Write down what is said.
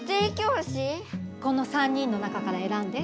この３人の中からえらんで。